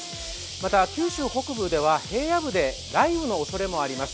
また九州北部では平野部で雷雨のおそれもあります。